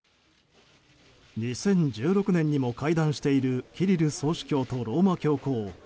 ２０１６年にも会談しているキリル総主教とローマ教皇。